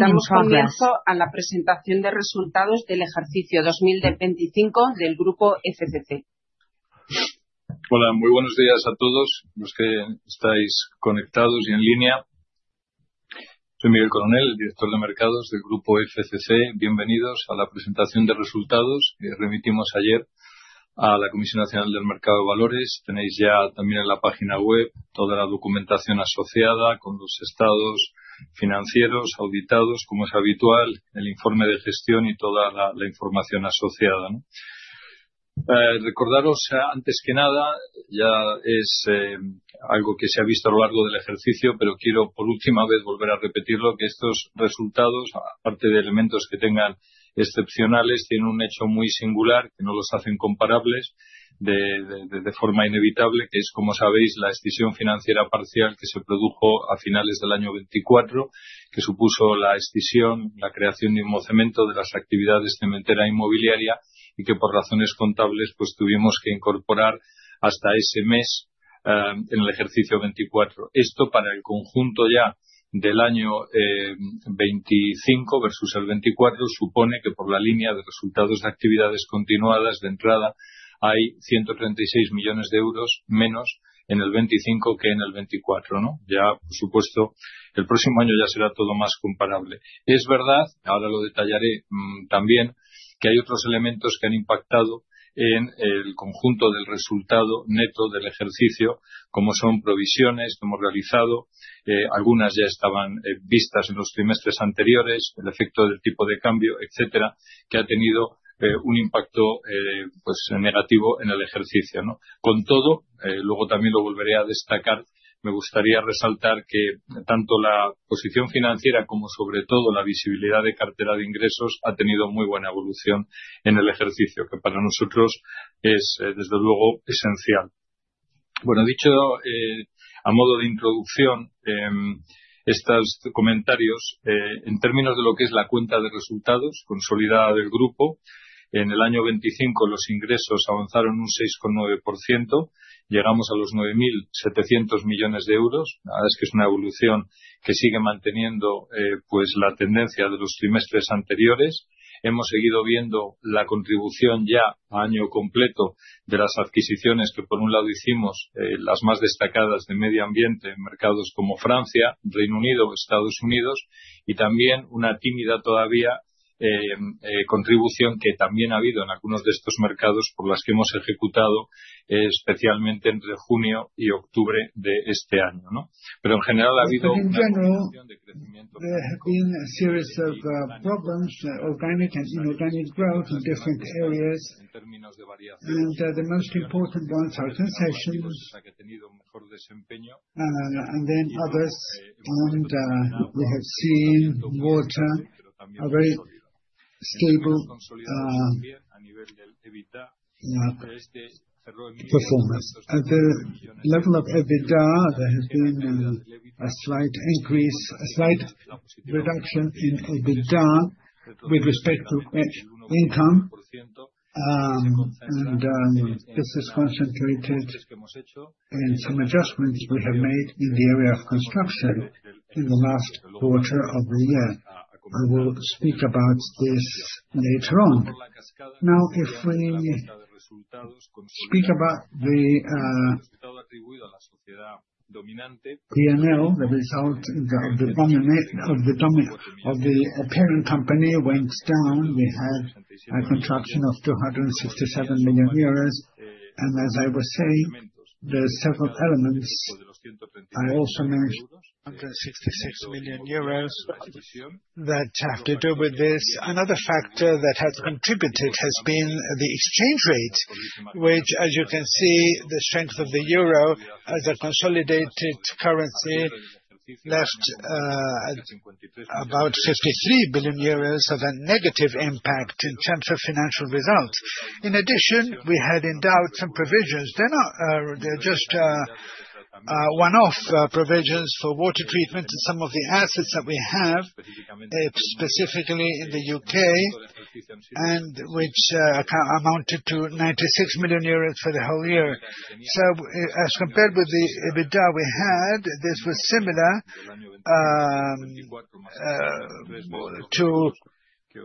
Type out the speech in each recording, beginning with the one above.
Damos comienzo a la presentación de resultados del ejercicio 2025 del grupo FCC. Hola. Muy buenos días a todos los que estáis conectados y en línea. Soy Miguel Coronel, director de Mercados del grupo FCC. Bienvenidos a la presentación de resultados que remitimos ayer a la Comisión Nacional del Mercado de Valores. Tenéis ya también en la página web toda la documentación asociada con los estados financieros auditados, como es habitual, el informe de gestión y toda la información asociada, ¿no? Recordaros antes que nada, ya es algo que se ha visto a lo largo del ejercicio, pero quiero por última vez volver a repetirlo, que estos resultados, aparte de elementos que tengan excepcionales, tienen un hecho muy singular que no los hacen comparables de forma inevitable, que es, como sabéis, la escisión financiera parcial que se produjo a finales del año 2024, que supuso la escisión, la creación Inmocemento de las actividades cementera inmobiliaria y que, por razones contables, pues tuvimos que incorporar hasta ese mes en el ejercicio 2024. Esto para el conjunto ya del año 2025 versus el 2024, supone que por la línea de resultados de actividades continuadas, de entrada, hay 136 million euros menos en el 2025 que en el 2024, ¿no? Por supuesto, el próximo año ya será todo más comparable. Es verdad, ahora lo detallaré, también, que hay otros elementos que han impactado en el conjunto del resultado neto del ejercicio, como son provisiones que hemos realizado, algunas ya estaban vistas en los trimestres anteriores, el efecto del tipo de cambio, etcétera, que ha tenido un impacto pues negativo en el ejercicio. Con todo, luego también lo volveré a destacar, me gustaría resaltar que tanto la posición financiera como sobre todo la visibilidad de cartera de ingresos ha tenido muy buena evolución en el ejercicio, que para nosotros es desde luego esencial. Bueno, dicho a modo de introducción, estos comentarios, en términos de lo que es la cuenta de resultados consolidada del grupo, en el año 2025 los ingresos avanzaron un 6.9%. Llegamos a los 9,700 million euros. La verdad es que es una evolución que sigue manteniendo, pues la tendencia de los trimestres anteriores. Hemos seguido viendo la contribución ya a año completo de las adquisiciones que, por un lado hicimos, las más destacadas de medio ambiente en mercados como France, United Kingdom or United States, y también una tímida todavía contribución que también ha habido en algunos de estos mercados por las que hemos ejecutado, especialmente entre June and October of this year. En general ha habido una continuación de crecimiento orgánico e inorgánico en términos de variaciones entre los diferentes negocios, la que ha tenido mejor desempeño y otros que no tanto. También hemos consolidado muy bien a nivel del EBITDA bajo este cerrado inmediato de 2025. En términos de EBITDA, la posición, con respecto al 1.1%, se concentra en algunos ajustes que hemos hecho, especialmente en el último cuarto del año. Hablaré sobre esto más adelante. Ahora, si hablamos de la PNL, el resultado de la sociedad dominante bajó. Tuvimos una contracción de EUR 267 million. Como decía, hay varios elementos que también mencioné, EUR 166 million, que tienen que ver con esto. Otro factor que ha contribuido ha sido el tipo de cambio, que, como pueden ver, la fortaleza del euro como moneda consolidada dejó unos EUR 53 trillion de impacto negativo en términos de resultados financieros. Además, tuvimos algunas provisiones. No son, solo son provisiones únicas para el tratamiento de agua y algunos de los activos que tenemos específicamente en el Reino Unido, y que ascendieron a EUR 96 million para todo el year. En comparación con el EBITDA que tuvimos, esto fue similar a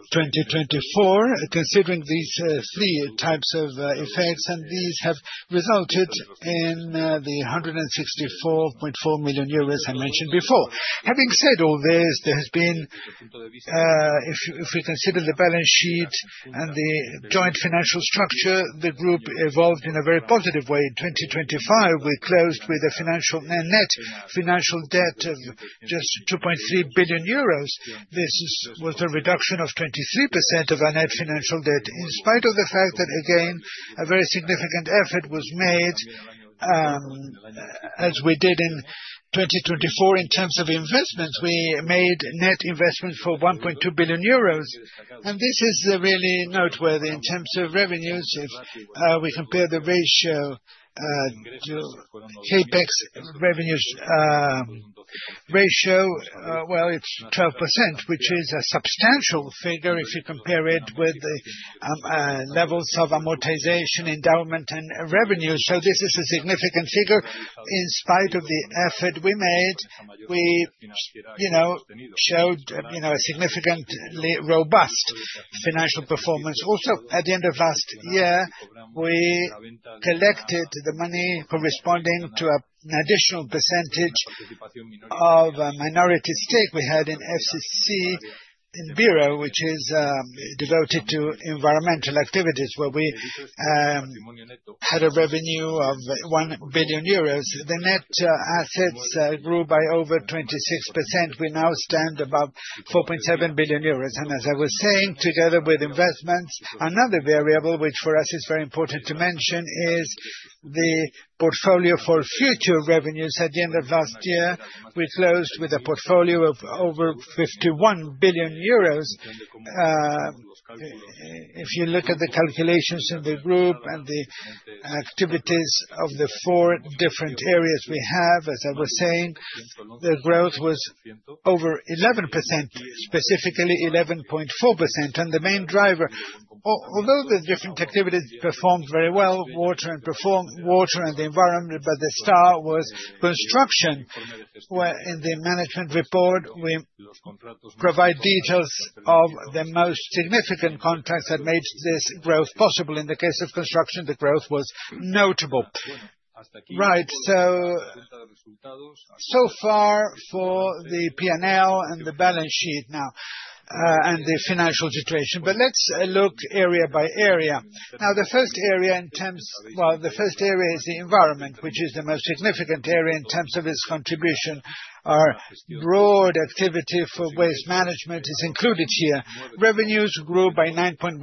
2024, considerando estos tres tipos de efectos, y estos han resultado en los EUR 164.4 million que mencioné antes. Habiendo dicho todo esto, ha habido, si consideramos el balance y la estructura financiera conjunta, el grupo evolucionó de manera muy positiva en 2024. Cerramos con una deuda financiera neta de solo EUR 2.3 billion. Esto fue una reducción del 23% de nuestra deuda financiera neta, a pesar de que, nuevamente, se hizo un esfuerzo muy significativo, como hicimos en 2024 en términos de inversiones. Hicimos inversiones netas por EUR 1.2 billion y esto es realmente notable en términos de ingresos. Si comparamos la ratio CapEx, ingresos, ratio, bueno, es el 12%, que es una cifra sustancial si la comparas con los niveles de amortización, dotación e ingresos. Esta es una cifra significativa. A pesar del esfuerzo que hicimos, mostramos, you know, un rendimiento financiero significativamente sólido. A finales del año pasado recogimos el dinero correspondiente a un porcentaje adicional de la participación minoritaria que teníamos en FCC FCC Enviro, which is devoted to environmental activities, where we had a revenue of EUR 1 billion. The net assets grew by over 26%. We now stand above 4.7 billion euros. As I was saying, together with investments, another variable, which for us is very important to mention, is the portfolio for future revenues. At the end of last year, we closed with a portfolio of over 51 billion euros. If you look at the calculations in the group and the activities of the four different areas we have, as I was saying, the growth was over 11%, specifically 11.4%. The main driver, although the different activities performed very well, water and the environment, but the star was construction, where in the management report, we provide details of the most significant contracts that made this growth possible. In the case of construction, the growth was notable. So far for the P&L and the balance sheet now, and the financial situation. Let's look area by area. The first area is the environment, which is the most significant area in terms of its contribution. Our broad activity for waste management is included here. Revenues grew by 9.1%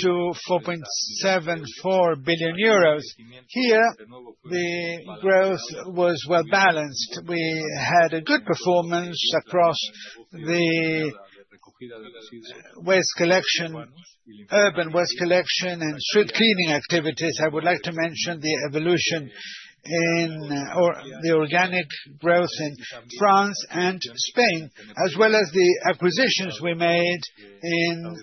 to 4.74 billion euros. Here, the growth was well-balanced. We had a good performance across the waste collection, urban waste collection, and street cleaning activities. I would like to mention the evolution in, or the organic growth in France and Spain, as well as the acquisitions we made in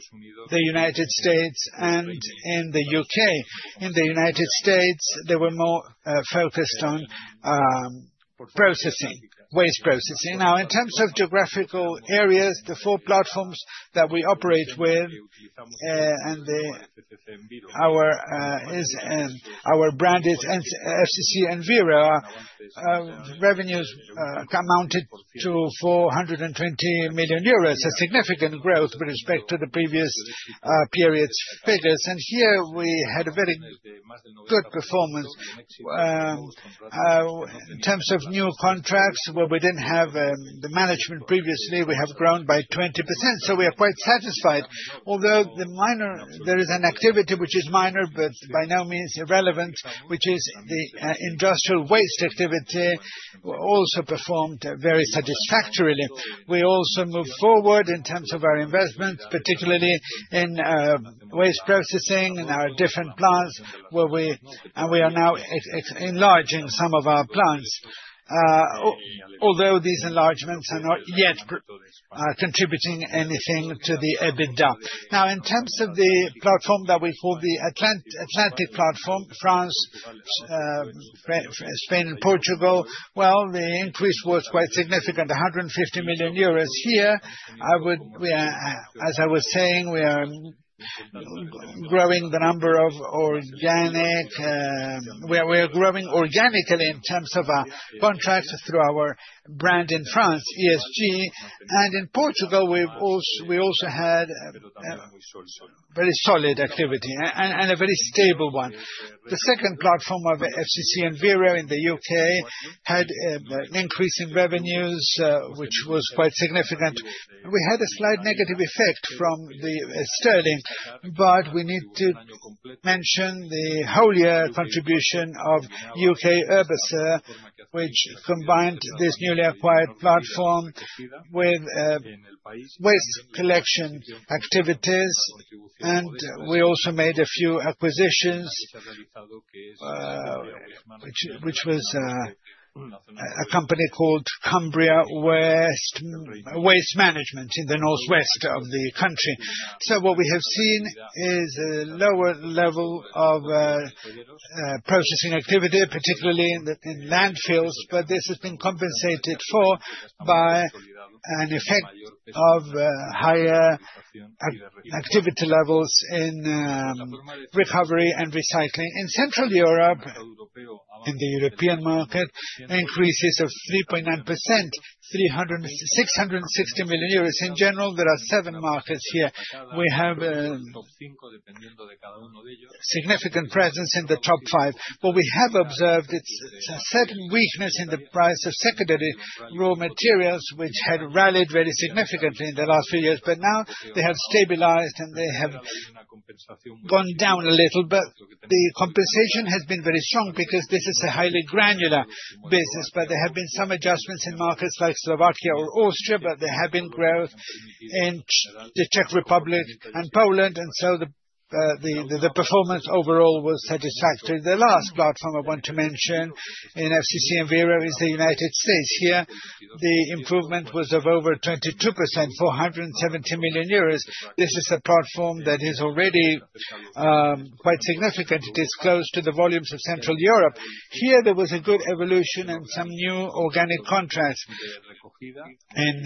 the United States and in the U.K. In the United States, they were more focused on processing, waste processing. Now, in terms of geographical areas, the four platforms that we operate with, and our brand is FCC Enviro. Revenues amounted to 420 million euros, a significant growth with respect to the previous period's figures. Here we had a very good performance. In terms of new contracts, where we didn't have the management previously, we have grown by 20%, so we are quite satisfied. Although there is an activity which is minor, but by no means irrelevant, which is the industrial waste activity, also performed very satisfactorily. We also moved forward in terms of our investments, particularly in waste processing in our different plants, where we and we are now enlarging some of our plants. Although these enlargements are not yet contributing anything to the EBITDA. In terms of the platform that we call the Atlantic platform, France, Spain and Portugal, well, the increase was quite significant, 150 million euros. Here, as I was saying, we are growing the number of organic. We are growing organically in terms of our contracts through our brand in France, ESG. In Portugal, we also had very solid activity and a very stable one. The second platform of FCC Enviro in the U.K. had an increase in revenues, which was quite significant. We had a slight negative effect from the sterling, we need to mention the whole year contribution of Urbaser U.K., which combined this newly acquired platform with waste collection activities. We also made a few acquisitions, which was a company called Cumbria Waste Group in the northwest of the country. What we have seen is a lower level of processing activity, particularly in landfills, this has been compensated for by an effect of higher activity levels in recovery and recycling. In Central Europe, in the European market, increases of 3.9%,EUR 660 million. In general, there are seven markets here. We have significant presence in the top five. What we have observed, it's a certain weakness in the price of secondary raw materials which had rallied very significantly in the last few years. Now they have stabilized, and they have gone down a little bit. The compensation has been very strong because this is a highly granular business, but there have been some adjustments in markets like Slovakia or Austria, there have been growth in the Czech Republic and Poland, the performance overall was satisfactory. The last platform I want to mention in FCC Enviro is the United States. Here, the improvement was of over 22%, 470 million euros. This is a platform that is already quite significant. It is close to the volumes of Central Europe. Here, there was a good evolution and some new organic contracts in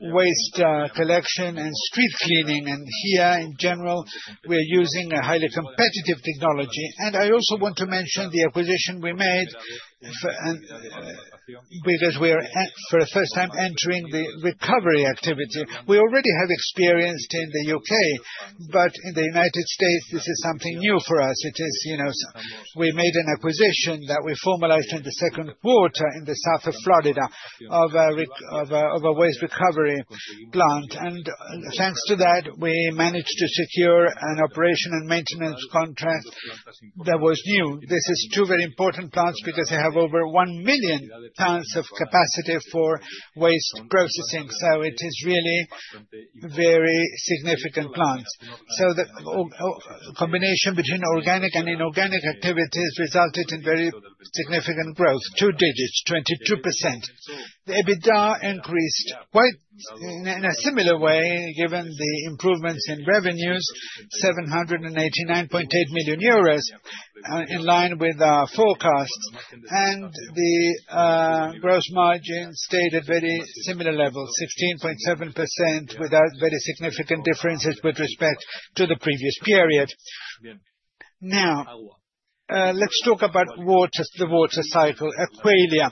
waste collection and street cleaning. Here in general, we're using a highly competitive technology. I also want to mention the acquisition we made because we are for the first time entering the recovery activity. We already have experience in the U.K., but in the U.S., this is something new for us. It is, you know, we made an acquisition that we formalized in the second quarter in the South of Florida of a waste recovery plant. Thanks to that, we managed to secure an operation and maintenance contract that was new. This is two very important plants because they have over 1 million tons of capacity for waste processing. It is really very significant plants. The combination between organic and inorganic activities resulted in very significant growth, two digits, 22%. The EBITDA increased quite, in a similar way, given the improvements in revenues, 789.8 million euros, in line with our forecasts. The gross margin stayed at very similar levels, 16.7% without very significant differences with respect to the previous period. Let's talk about water, the water cycle, Aqualia.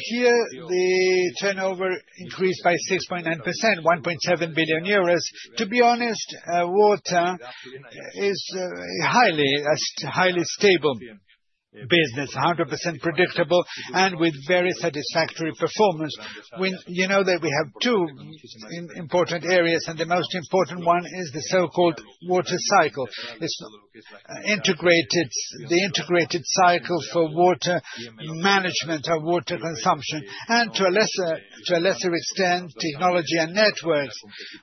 Here the turnover increased by 6.9%, 1.7 billion euros. To be honest, water is a highly stable business, 100% predictable and with very satisfactory performance. When you know that we have two important areas, and the most important one is the so-called water cycle. It's integrated, the integrated cycle for water management or water consumption, and to a lesser, to a lesser extent, technology and networks,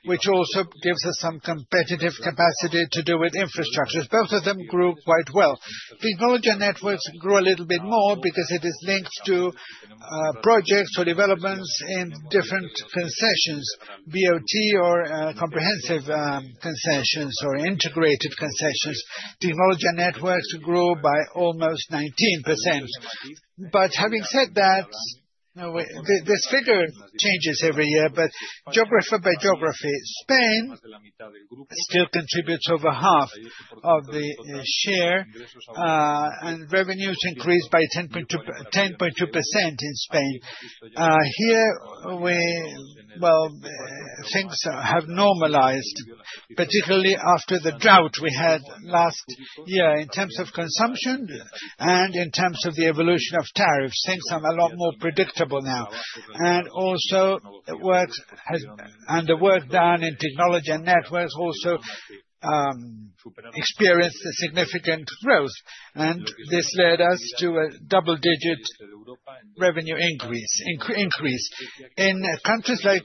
which also gives us some competitive capacity to do with infrastructures. Both of them grew quite well. Technology and networks grew a little bit more because it is linked to projects or developments in different concessions, BOT or comprehensive concessions or integrated concessions. Technology and networks grew by almost 19%. Having said that, this figure changes every year, but geography by geography, Spain still contributes over half of the share, and revenues increased by 10.2%, 10.2% in Spain. Here Well, things have normalized, particularly after the drought we had last year in terms of consumption and in terms of the evolution of tariffs. Things are a lot more predictable now. Also the work done in technology and networks experienced a significant growth. This led us to a double-digit revenue increase. In countries like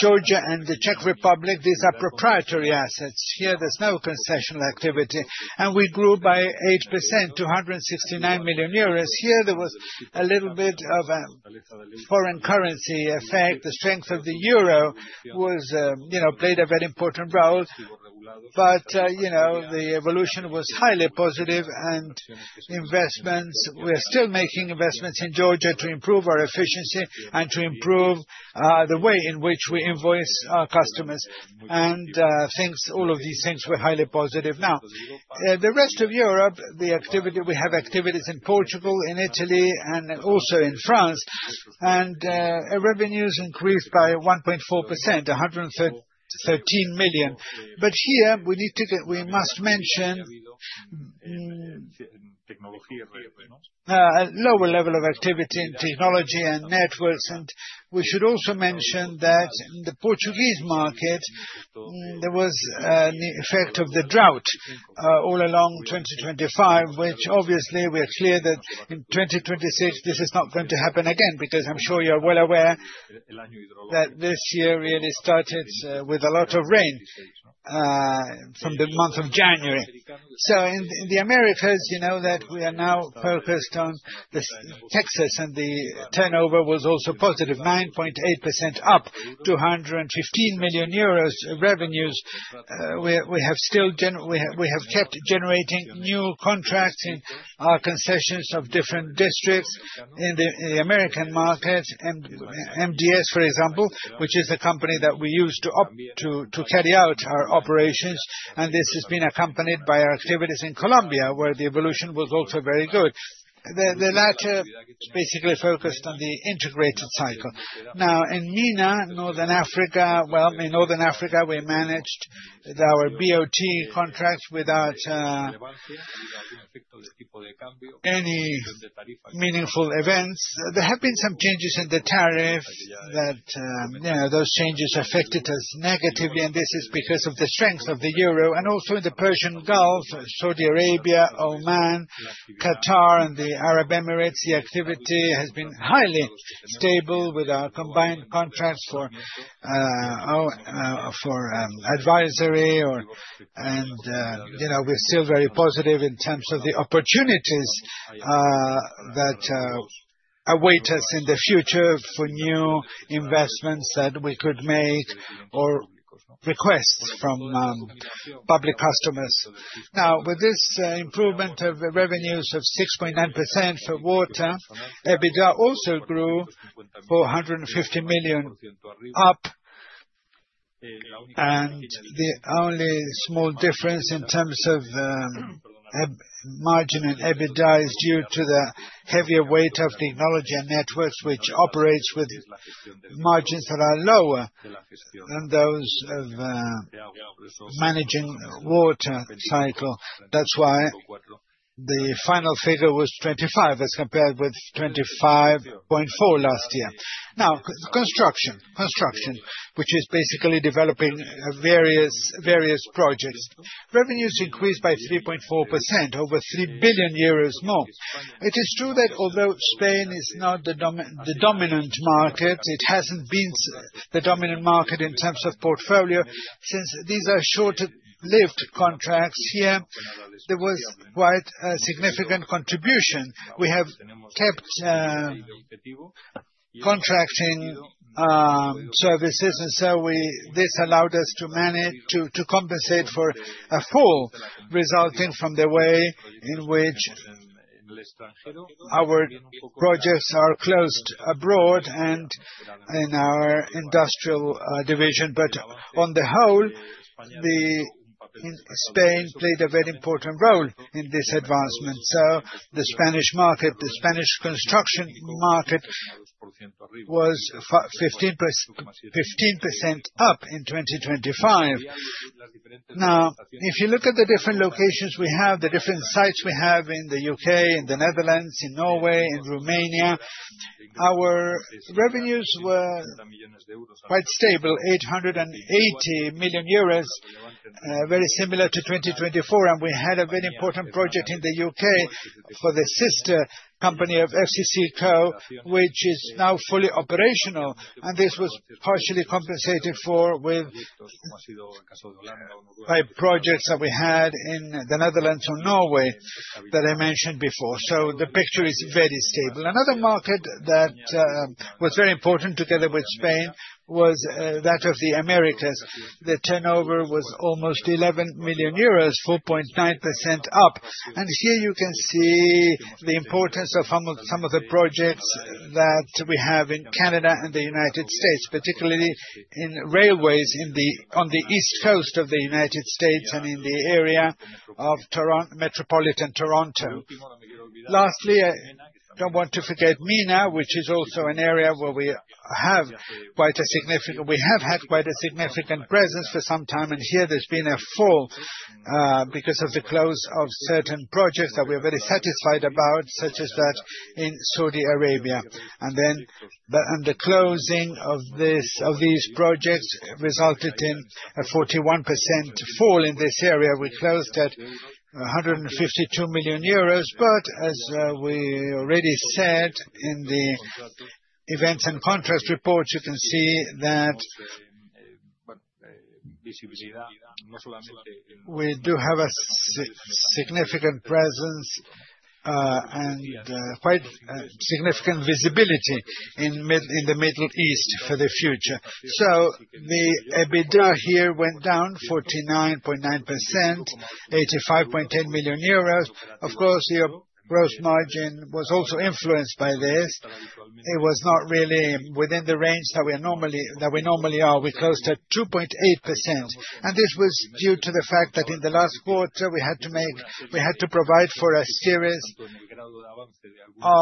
Georgia and the Czech Republic, these are proprietary assets. Here, there's no concessional activity, and we grew by 8% to 169 million euros. Here, there was a little bit of a foreign currency effect. The strength of the euro was, you know, played a very important role. You know, the evolution was highly positive and investments, we're still making investments in Georgia to improve our efficiency and to improve the way in which we invoice our customers. All of these things were highly positive. Now, the rest of Europe, we have activities in Portugal, in Italy, and also in France. Our revenues increased by 1.4%, EUR 113 million. Here we must mention a lower level of activity in technology and networks. We should also mention that in the Portuguese market there was the effect of the drought all along 2025, which obviously we're clear that in 2026, this is not going to happen again, because I'm sure you're well aware that this year really started with a lot of rain from the month of January. In the Americas, you know that we are now focused on this Texas, and the turnover was also positive, 9.8% up to 115 million euros revenues. We have kept generating new contracts in our concessions of different districts in the American market. MDS, for example, which is the company that we use to carry out our operations. This has been accompanied by our activities in Colombia, where the evolution was also very good. The latter basically focused on the integrated cycle. In MENA, Northern Africa, well, in Northern Africa, we managed our BOT contracts without any meaningful events. There have been some changes in the tariff that, you know, those changes affected us negatively, and this is because of the strength of the EUR. Also in the Persian Gulf, Saudi Arabia, Oman, Qatar, and the Arab Emirates, the activity has been highly stable with our combined contracts for our for advisory or, you know, we're still very positive in terms of the opportunities that await us in the future for new investments that we could make or requests from public customers. With this improvement of the revenues of 6.9% for water, EBITDA also grew 450 million up. The only small difference in terms of margin and EBITDA is due to the heavier weight of technology and networks, which operates with margins that are lower than those of managing water cycle. That's why the final figure was 25% as compared with 25.4% last year. Construction. Construction, which is basically developing various projects. Revenues increased by 3.4%, over 3 billion euros more. It is true that although Spain is not the dominant market, it hasn't been the dominant market in terms of portfolio. Since these are shorter-lived contracts here, there was quite a significant contribution. We have kept contracting services, this allowed us to compensate for a fall resulting from the way in which our projects are closed abroad and in our industrial division. On the whole, Spain played a very important role in this advancement. The Spanish market, the Spanish construction market was 15% up in 2025. If you look at the different locations we have, the different sites we have in the U.K., in the Netherlands, in Norway, in Romania, our revenues were quite stable, 880 million euros, very similar to 2024, and we had a very important project in the U.K. for the sister company of FCC Co, which is now fully operational. This was partially compensated for with by projects that we had in the Netherlands or Norway that I mentioned before. The picture is very stable. Another market that was very important together with Spain was that of the Americas. The turnover was almost 11 million euros, 4.9% up. Here you can see the importance of some of the projects that we have in Canada and the United States, particularly in railways on the East Coast of the United States and in the area of metropolitan Toronto. Lastly, I don't want to forget MENA, which is also an area where We have had quite a significant presence for some time, and here there's been a fall because of the close of certain projects that we are very satisfied about, such as that in Saudi Arabia. The closing of these projects resulted in a 41% fall in this area. We closed at 152 million euros. As we already said in the events and contrast reports, you can see that we do have a significant presence and quite significant visibility in the Middle East for the future. The EBITDA here went down 49.9%, 85.10 million euros. Of course, the gross margin was also influenced by this. It was not really within the range that we normally are. We closed at 2.8%, and this was due to the fact that in the last quarter, we had to provide for a series of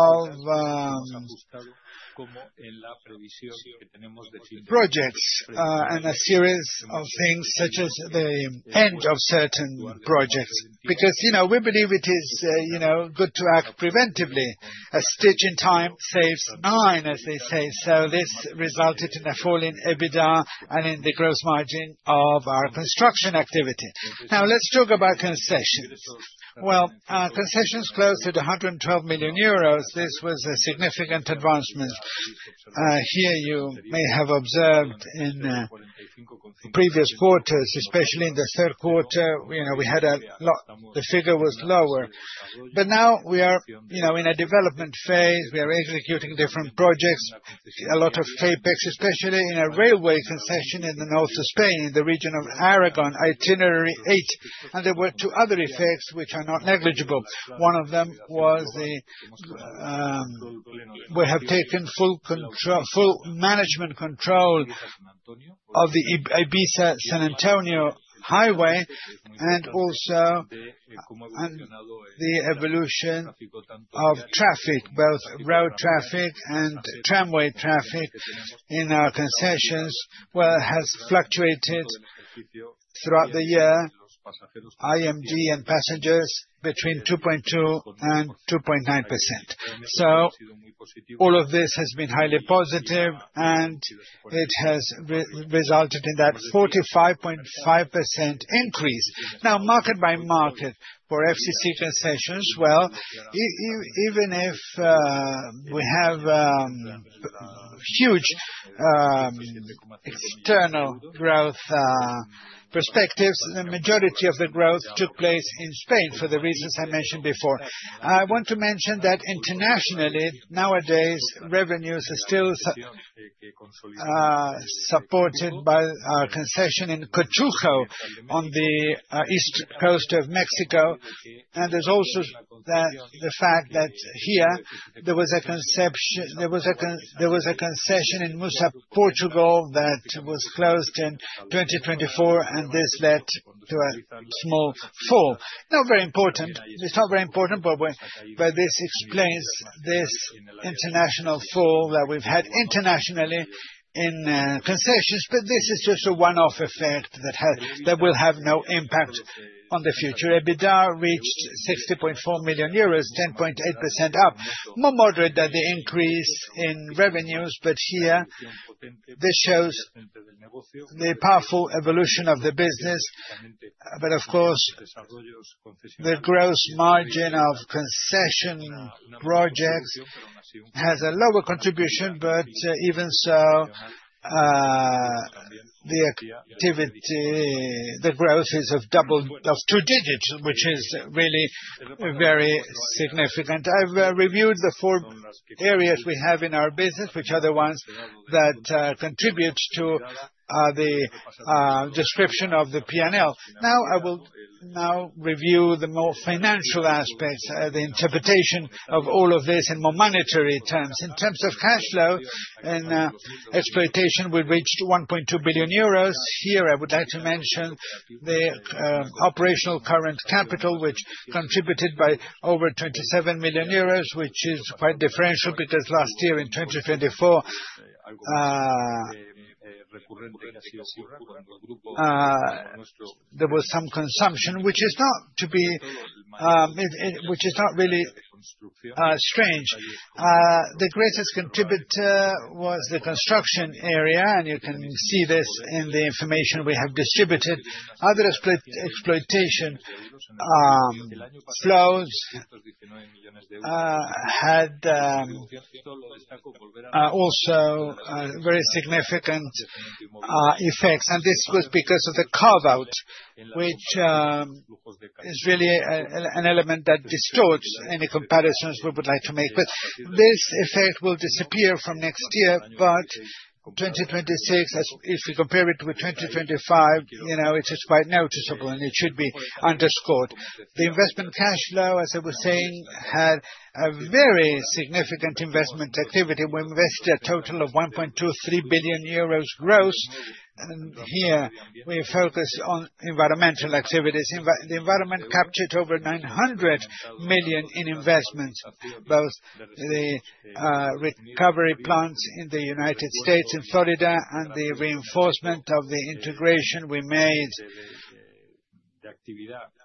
projects and a series of things such as the end of certain projects. You know, we believe it is, you know, good to act preventively. A stitch in time saves nine, as they say. This resulted in a fall in EBITDA and in the gross margin of our construction activity. Let's talk about concessions. Concessions closed at 112 million euros. This was a significant advancement. Here you may have observed in previous quarters, especially in the third quarter, you know, the figure was lower. Now we are, you know, in a development phase. We are executing different projects, a lot of CapEx, especially in a railway concession in the north of Spain, in the region of Aragon, Itinerary eight. There were two other effects which are not negligible. One of them was, we have taken full control, full management control of the Ibiza-San Antonio highway, and also, the evolution of traffic, both road traffic and tramway traffic in our concessions, well, has fluctuated throughout the year, IMD and passengers between 2.2% and 2.9%. All of this has been highly positive, and it has resulted in that 45.5% increase. Market by market for FCC concessions, well, even if we have huge external growth perspectives, the majority of the growth took place in Spain for the reasons I mentioned before. I want to mention that internationally, nowadays, revenues are still supported by our concession in Coatzacoalcos on the east coast of Mexico. There's also that the fact that here there was a concession in Cemusa, Portugal, that was closed in 2024, and this led to a small fall. Not very important. It's not very important, but this explains this international fall that we've had internationally in concessions, but this is just a one-off effect that will have no impact on the future. EBITDA reached 60.4 million euros, 10.8% up. More moderate than the increase in revenues, but here this shows the powerful evolution of the business. Of course, the gross margin of concession projects has a lower contribution, but even so, the activity, the growth is of two digits, which is really very significant. I've reviewed the four areas we have in our business, which are the ones that contributes to the description of the P&L. I will now review the more financial aspects, the interpretation of all of this in more monetary terms. In terms of cash flow and exploitation, we reached 1.2 billion euros. Here, I would like to mention the operational current capital, which contributed by over 27 million euros, which is quite differential because last year in 2024, there was some consumption, which is not to be, which is not really strange. The greatest contributor was the construction area. You can see this in the information we have distributed. Other exploitation flows had also very significant effects. This was because of the carve-out, which is really an element that distorts any comparisons we would like to make. This effect will disappear from next year. 2026, if you compare it with 2025, you know, it is quite noticeable, and it should be underscored. The investment cash flow, as I was saying, had a very significant investment activity. We invested a total of 1.23 billion euros gross, and here we focus on environmental activities. The environment captured over 900 million in investments, both the recovery plants in the United States and Florida and the reinforcement of the integration we made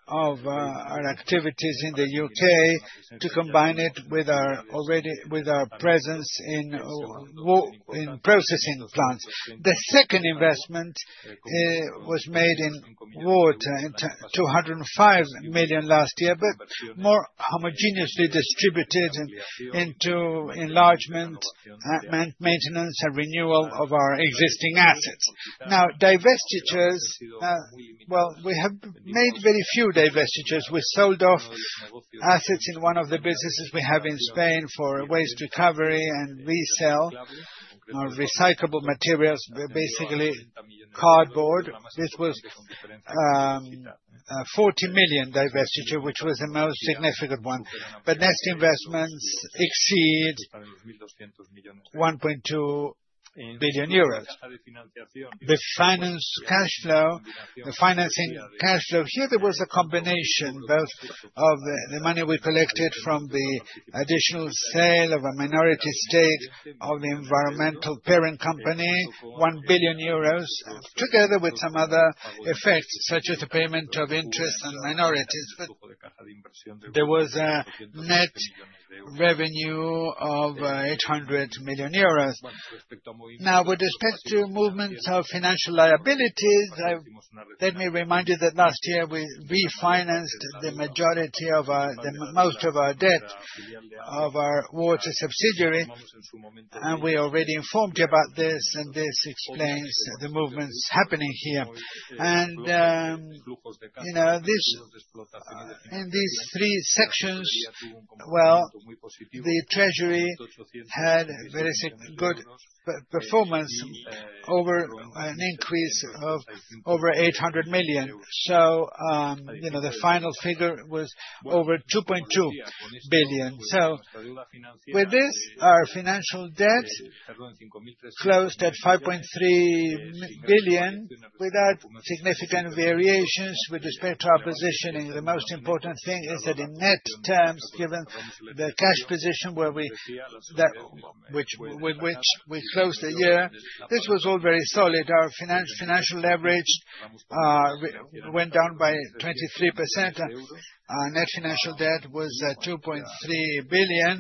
of our activities in the U.K. to combine it with our presence in processing plants. The second investment was made in water, in 205 million last year, but more homogeneously distributed into enlargement, man-maintenance, and renewal of our existing assets. Divestitures, well, we have made very few divestitures. We sold off assets in one of the businesses we have in Spain for waste recovery and resell our recyclable materials. We're basically cardboard. This was a 40 million divestiture, which was the most significant one. Net investments exceed 1.2 billion euros. The financing cash flow. Here, there was a combination both of the money we collected from the additional sale of a minority stake of the environmental parent company, 1 billion euros, together with some other effects, such as the payment of interest and minorities. There was a net revenue of 800 million euros. Now, with respect to movements of financial liabilities, let me remind you that last year we refinanced the most of our debt of our water subsidiary, and we already informed you about this, and this explains the movements happening here. You know, this, in these three sections, well, the treasury had very good performance over an increase of over 800 million. You know, the final figure was over 2.2 billion. With this, our financial debt closed at 5.3 billion without significant variations with respect to our positioning. The most important thing is that in net terms, given the cash position with which we closed the year, this was all very solid. Our financial leverage went down by 23%. Our net financial debt was 2.3 billion.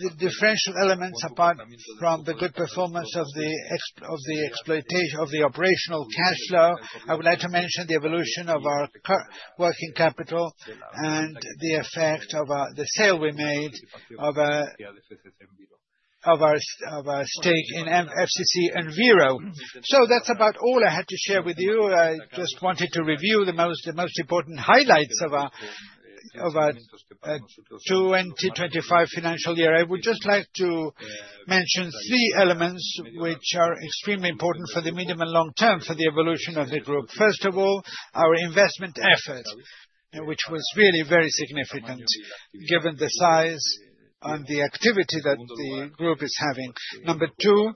The differential elements, apart from the good performance of the operational cash flow, I would like to mention the evolution of our working capital and the effect of the sale we made of our stake in FCC Enviro. That's about all I had to share with you. I just wanted to review the most important highlights of our 2025 financial year. I would just like to mention three elements which are extremely important for the medium and long term for the evolution of the group. First of all, our investment effort, which was really very significant given the size and the activity that the group is having. Number two,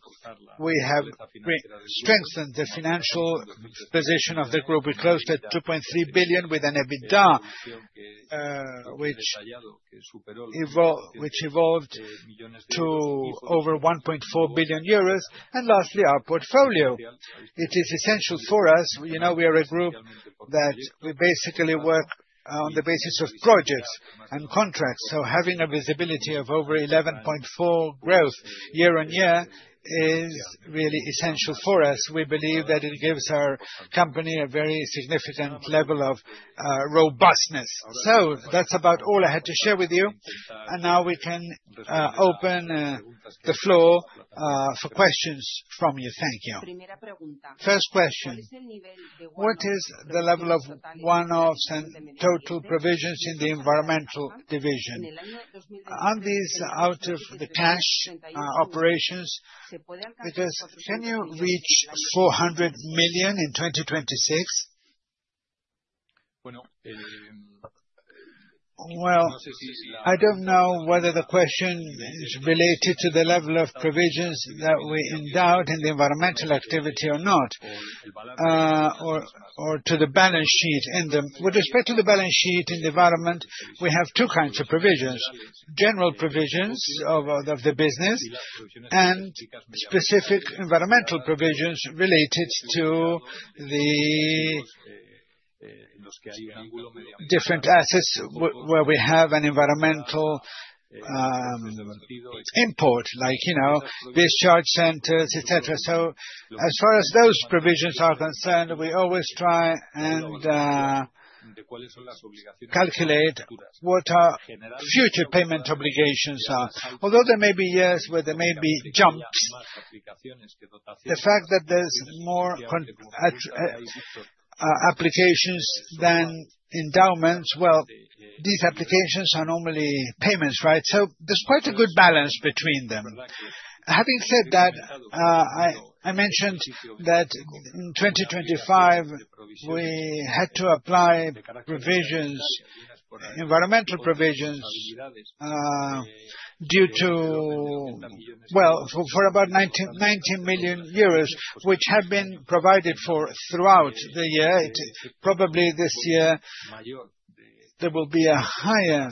we have re-strengthened the financial position of the group. We closed at 2.3 billion with an EBITDA, which evolved to over 1.4 billion euros. Lastly, our portfolio. It is essential for us. You know, we are a group that we basically work on the basis of projects and contracts. Having a visibility of over 11.4 growth year-on-year is really essential for us. We believe that it gives our company a very significant level of robustness. That's about all I had to share with you. Now we can open the floor for questions from you. Thank you. First question: What is the level of one-offs and total provisions in the environmental division? Are these out of the cash operations? Because can you reach 400 million in 2026? I don't know whether the question is related to the level of provisions that we endowed in the environmental activity or not, or to the balance sheet in them. With respect to the balance sheet in the environment, we have two kinds of provisions: general provisions of the business and specific environmental provisions related to the different assets where we have an environmental import, like, you know, discharge centers, et cetera. As far as those provisions are concerned, we always try and calculate what our future payment obligations are. Although there may be years where there may be jumps, the fact that there's more applications than endowments, well, these applications are normally payments, right? There's quite a good balance between them. Having said that, I mentioned that in 2025 we had to apply provisions, environmental provisions, for about 90 million euros, which have been provided for throughout the year. Probably this year, there will be a higher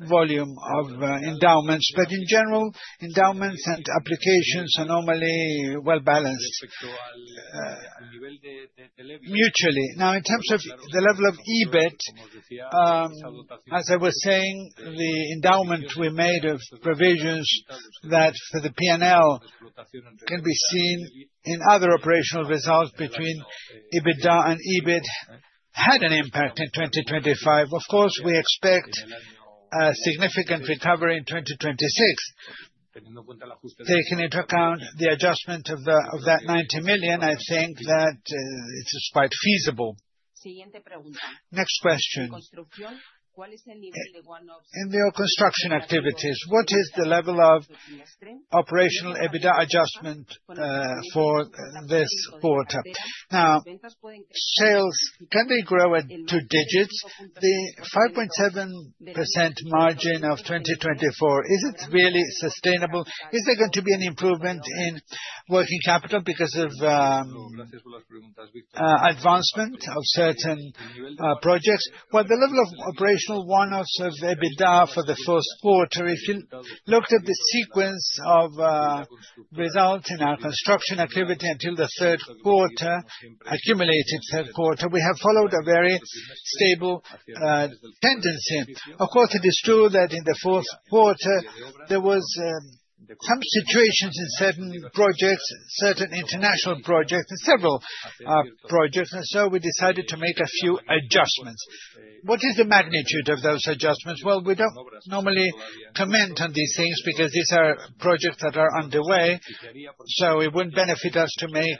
volume of endowments. In general, endowments and applications are normally well-balanced mutually. In terms of the level of EBIT, as I was saying, the endowment we made of provisions that for the P&L can be seen in other operational results between EBITDA and EBIT had an impact in 2025. Of course, we expect a significant recovery in 2026. Taking into account the adjustment of that 90 million, I think that it's quite feasible. Next question. In the construction activities, what is the level of operational EBITDA adjustment for this quarter? Sales, can they grow at two digits? The 5.7% margin of 2024, is it really sustainable? Is there going to be an improvement in working capital because of advancement of certain projects? Well, the level of operational one-offs of EBITDA for the first quarter, if you looked at the sequence of results in our construction activity until the third quarter, accumulated third quarter, we have followed a very stable tendency. Of course, it is true that in the fourth quarter, there was some situations in certain projects, certain international projects and several projects, and so we decided to make a few adjustments. What is the magnitude of those adjustments? Well, we don't normally comment on these things because these are projects that are underway, so it wouldn't benefit us to make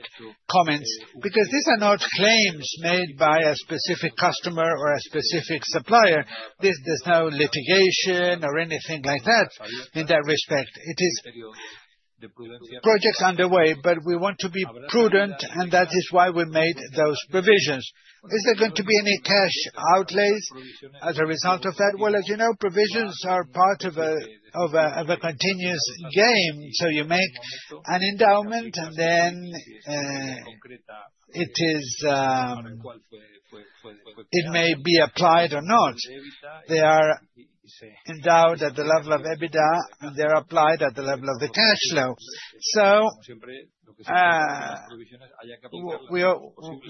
comments. Because these are not claims made by a specific customer or a specific supplier. This, there's no litigation or anything like that in that respect. It is projects underway, but we want to be prudent, and that is why we made those provisions. Is there going to be any cash outlays as a result of that? Well, as you know, provisions are part of a continuous game. You make an endowment and then it may be applied or not. They are endowed at the level of EBITDA, and they're applied at the level of the cash flow.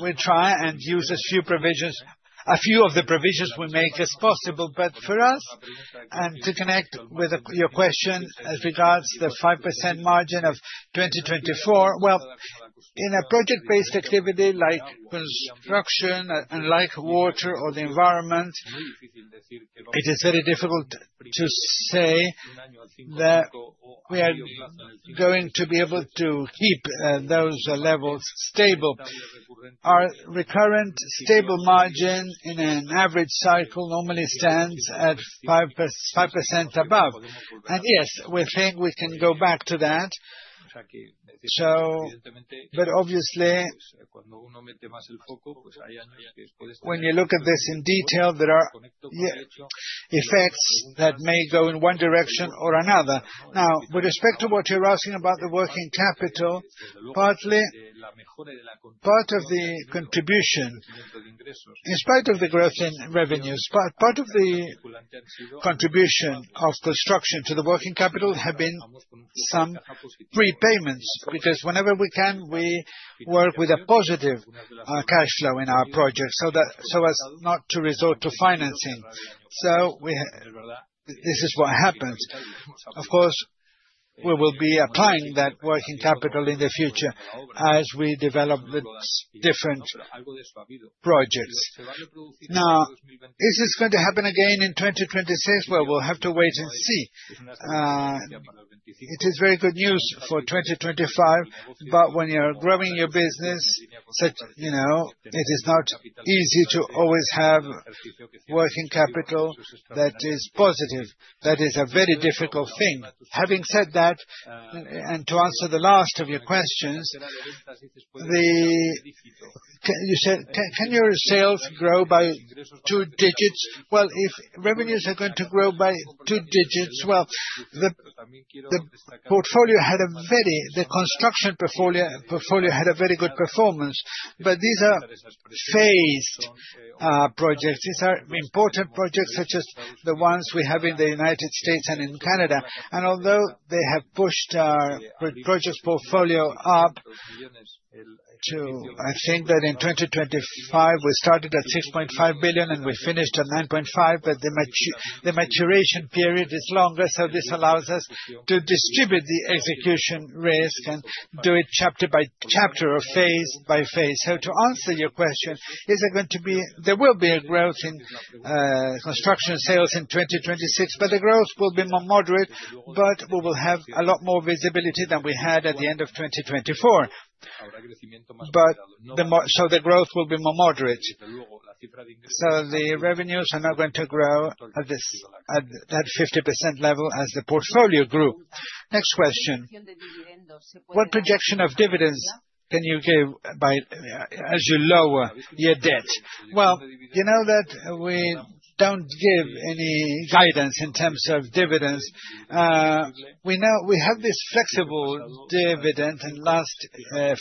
We try and use as few provisions, a few of the provisions we make as possible. For us, and to connect with your question as regards the 5% margin of 2024, well, in a project-based activity like construction and like water or the environment, it is very difficult to say We are going to be able to keep those levels stable. Our recurrent stable margin in an average cycle normally stands at 5% above. Yes, we think we can go back to that. Obviously, when you look at this in detail, there are effects that may go in one direction or another. Now, with respect to what you're asking about the working capital, Part of the contribution, in spite of the growth in revenues, part of the contribution of construction to the working capital have been some prepayments. Whenever we can, we work with a positive cash flow in our projects, so as not to resort to financing. This is what happens. Of course, we will be applying that working capital in the future as we develop the different projects. Is this going to happen again in 2026? We'll have to wait and see. It is very good news for 2025, but when you're growing your business, such, you know, it is not easy to always have working capital that is positive. That is a very difficult thing. Having said that, and to answer the last of your questions, you said, "Can your sales grow by two digits?" If revenues are going to grow by two digits, the construction portfolio had a very good performance. These are phased projects. These are important projects such as the ones we have in the United States and in Canada. Although they have pushed our projects portfolio up to... I think that in 2025, we started at 6.5 billion, and we finished at 9.5 billion. The maturation period is longer, so this allows us to distribute the execution risk and do it chapter by chapter or phase by phase. To answer your question, is it going to be... There will be a growth in construction sales in 2026, but the growth will be more moderate. We will have a lot more visibility than we had at the end of 2024. The growth will be more moderate. The revenues are not going to grow at that 50% level as the portfolio grew. Next question. What projection of dividends can you give by, as you lower your debt? Well, you know that we don't give any guidance in terms of dividends. We have this Flexible dividend. In last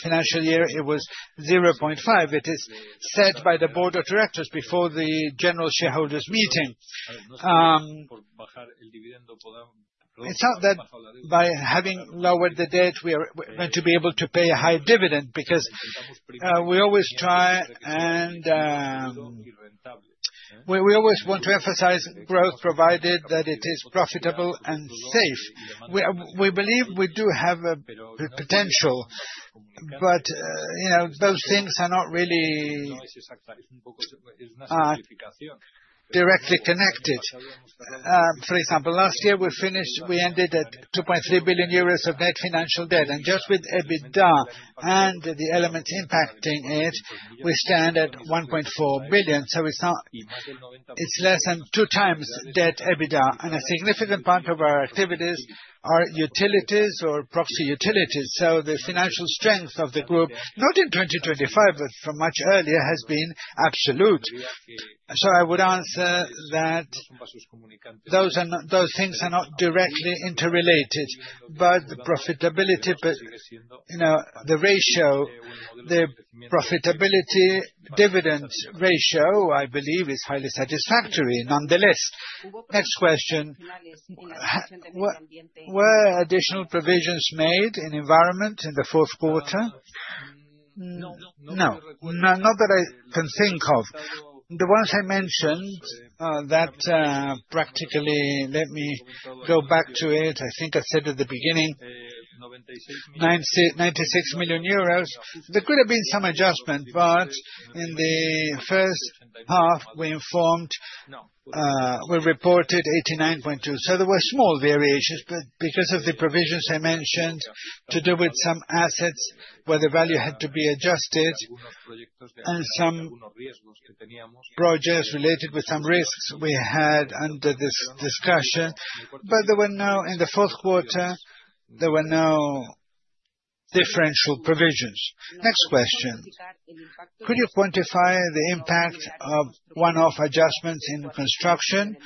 financial year, it was 0.5. It is set by the board of directors before the general shareholders meeting. It's not that by having lowered the debt, we are went to be able to pay a higher dividend, because we always try and we always want to emphasize growth provided that it is profitable and safe. We believe we do have a potential, but, you know, those things are not really directly connected. For example, last year we finished, we ended at 2.3 billion euros of net financial debt. Just with EBITDA and the element impacting it, we stand at 1.4 billion. It's less than 2x Debt/EBITDA. A significant part of our activities are utilities or proxy utilities. The financial strength of the group, not in 2025, but from much earlier, has been absolute. I would answer that those things are not directly interrelated. The profitability, you know, the ratio, the profitability-dividend ratio, I believe is highly satisfactory nonetheless. Next question. Were additional provisions made in FCC Environment in the fourth quarter? No. Not that I can think of. The ones I mentioned, that, practically, let me go back to it. I think I said at the beginning, 96 million euros. There could have been some adjustment. In the first half, we informed, we reported 89.2. There were small variations, but because of the provisions I mentioned to do with some assets where the value had to be adjusted and some projects related with some risks we had under this discussion. There were no, in the fourth quarter, there were no differential provisions. Next question. Could you quantify the impact of one-off adjustments in construction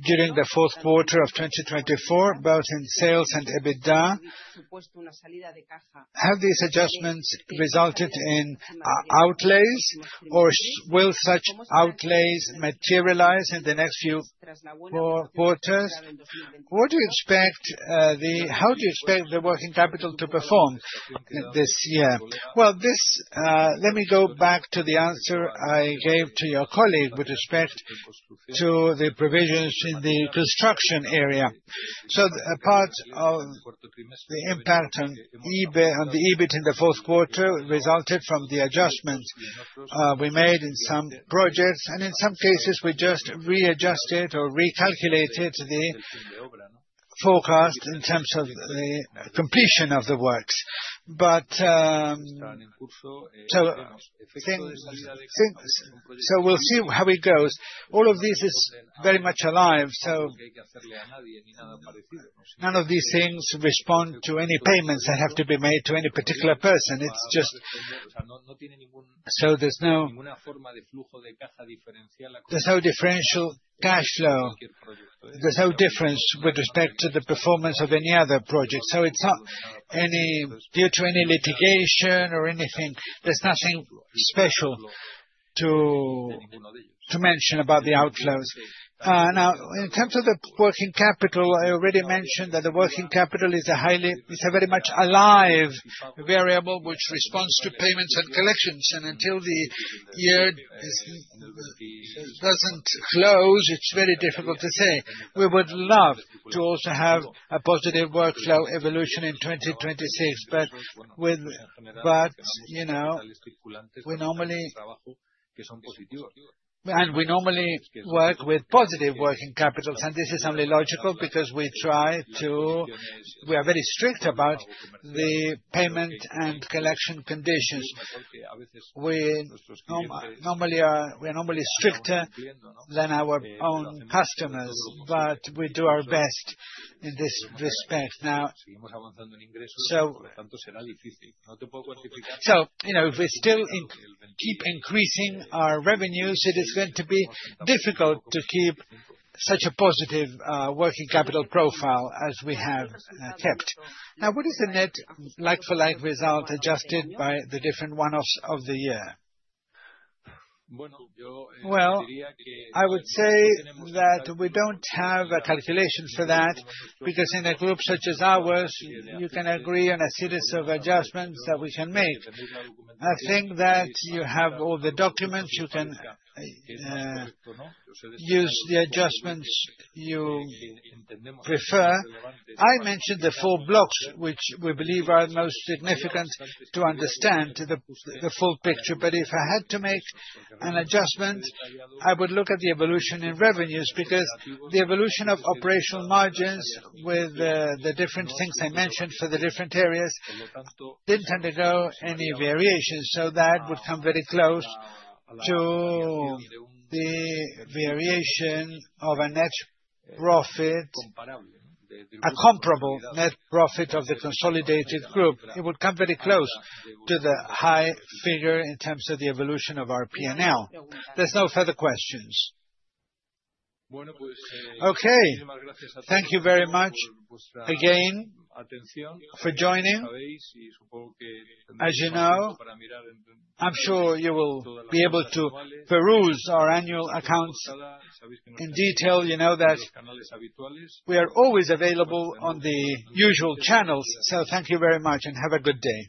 during the fourth quarter of 2024, both in sales and EBITDA? Have these adjustments resulted in outlays or will such outlays materialize in the next few quarters? What do you expect, how do you expect the working capital to perform this year? Well, this, let me go back to the answer I gave to your colleague with respect to the provisions in the construction area. A part of the impact on the EBIT in the fourth quarter resulted from the adjustments we made in some projects, and in some cases, we just readjusted or recalculated the forecast in terms of the completion of the works. Things, we'll see how it goes. All of this is very much alive. None of these things respond to any payments that have to be made to any particular person. It's just. There's no, there's no differential cash flow. There's no difference with respect to the performance of any other project. It's not due to any litigation or anything. There's nothing special to mention about the outflows. Now, in terms of the working capital, I already mentioned that the working capital is a highly is a very much alive variable which responds to payments and collections. Until the year is, doesn't close, it's very difficult to say. We would love to also have a positive workflow evolution in 2026. You know, we normally. We normally work with positive working capitals, and this is only logical because we are very strict about the payment and collection conditions. We are normally stricter than our own customers, but we do our best in this respect now. You know, if we still keep increasing our revenues, it is going to be difficult to keep such a positive working capital profile as we have kept. What is the net like-for-like result adjusted by the different one-offs of the year? I would say that we don't have a calculation for that, because in a group such as ours, you can agree on a series of adjustments that we can make. I think that you have all the documents. You can use the adjustments you prefer. I mentioned the four blocks which we believe are most significant to understand the full picture. If I had to make an adjustment, I would look at the evolution in revenues, because the evolution of operational margins with the different things I mentioned for the different areas didn't undergo any variations. That would come very close to the variation of a net profit, a comparable net profit of the consolidated group. It would come very close to the high figure in terms of the evolution of our P&L. There's no further questions. Okay, thank you very much again for joining. As you know, I'm sure you will be able to peruse our annual accounts in detail. You know that we are always available on the usual channels. Thank you very much and have a good day.